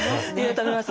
食べます。